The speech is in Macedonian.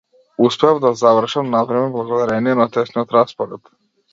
Успеав да завршам на време благодарение на тесниот распоред.